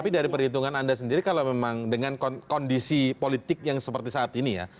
tapi dari perhitungan anda sendiri kalau memang dengan kondisi politik yang seperti saat ini ya